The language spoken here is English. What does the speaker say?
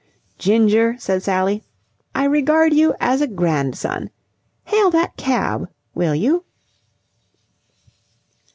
"Ginger," said Sally, "I regard you as a grandson. Hail that cab, will you?"